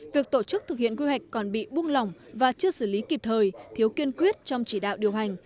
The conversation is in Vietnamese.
việc tổ chức thực hiện quy hoạch còn bị buông lỏng và chưa xử lý kịp thời thiếu kiên quyết trong chỉ đạo điều hành